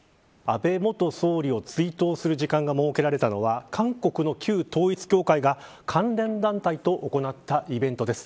安倍元総理を追悼する時間が設けられたのは韓国の旧統一教会が関連団体と行ったイベントです。